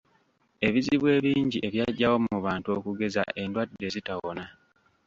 Ebizibu ebingi ebyajjawo mu bantu okugeza endwadde ezitawona.